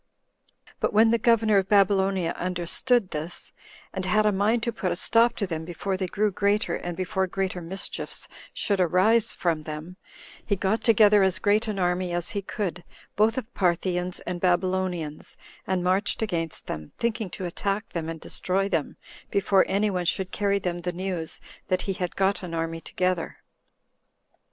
2. But when the governor of Babylonia understood this, and had a mind to put a stop to them before they grew greater, and before greater mischiefs should arise from them, he got together as great an army as he could, both of Parthians and Babylonians, and marched against them, thinking to attack them and destroy them before any one should carry them the news that he had got an army together.